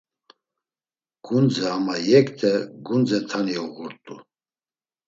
Gundze ama yekte gundze t̆ani uğurt̆u.